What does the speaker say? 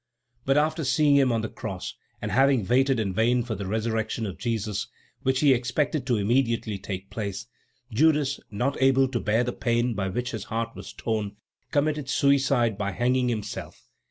But after seeing him on the cross, and having waited in vain for the resurrection of Jesus, which he expected to immediately take place, Judas, not able to bear the pain by which his heart was torn, committed suicide by hanging himself.